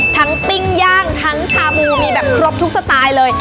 ปิ้งย่างทั้งชาบูมีแบบครบทุกสไตล์เลย